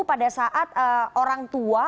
pada saat orang tua